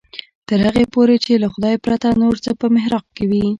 تر هغې پورې چې له خدای پرته نور څه په محراق کې وي.